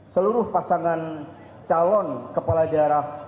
seluruh pasangan calon kepala daerah